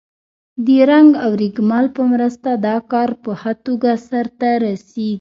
د رنګ او رېګمال په مرسته دا کار په ښه توګه سرته رسیږي.